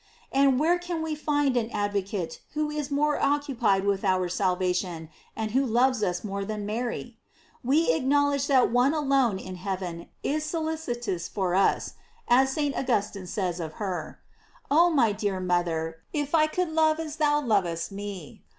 f And where can we find an advocate who is more oc cupied witii our salvation, and who loves us more than Mary ? We acknowledge that one alone in heaven is solicitous for us, as St. Augustine says of her.J Oh my dear mother, if I could love as thou lovest me